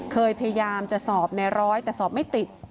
พยายามจะสอบในร้อยแต่สอบไม่ติด